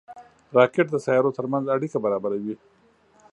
راکټ د سیارو ترمنځ اړیکه برابروي